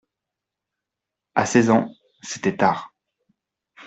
À seize ans, c'était tard.